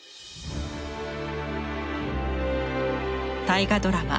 大河ドラマ